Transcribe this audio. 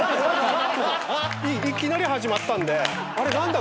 いきなり始まったんであれっ？何だ？